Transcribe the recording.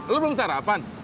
lu belum sarapan